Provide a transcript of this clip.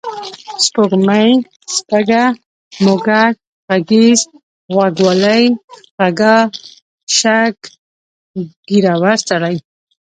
سپوږمۍ، سپږه، موږک، غږیز، غوږ والۍ، خَږا، شَږ، ږېرور سړی